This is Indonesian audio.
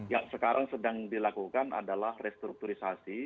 yang sekarang sedang dilakukan adalah restrukturisasi